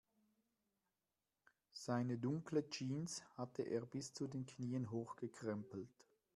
Seine dunkle Jeans hatte er bis zu den Knien hochgekrempelt.